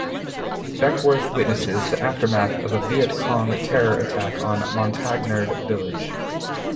Beckworth witnesses the aftermath of a Viet Cong terror attack on a Montagnard village.